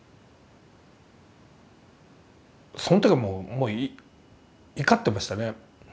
その時はもう怒ってましたね。